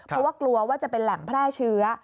เพราะว่ากลัวว่าจะเป็นแหล่งแพร่เชื้อ